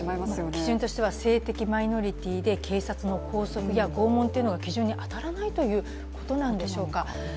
基準的には性的マイノリティで、警察の拷問や拘束が基準に当たらないということなんでしょうか。